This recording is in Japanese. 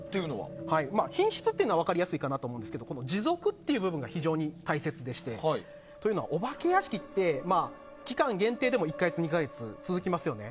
品質というのは分かりやすいんですが持続というのが非常に大切でしてお化け屋敷って期間限定でも１か月２か月続きますよね。